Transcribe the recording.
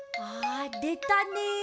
あでたね。